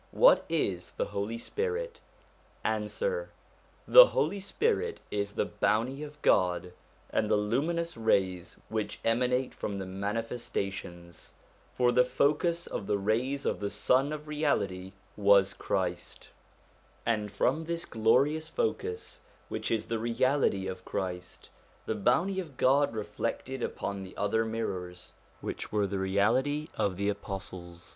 What is the Holy Spirit ? Answer. The Holy Spirit is the Bounty of God, and the luminous rays which emanate from the Manifesta tions ; for the focus of the rays of the Sun of Reality was Christ ; and from this glorious focus, which is the Reality of Christ, the Bounty of God reflected upon the other mirrors which were the reality of the apostles.